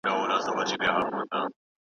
بس راغلې بې اختیاره له اسمانه زندګي ده